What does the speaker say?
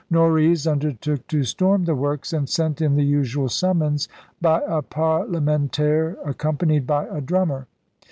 Norreys undertook to storm the works and sent in the usual summons by a parlementaire accompanied by a drummer.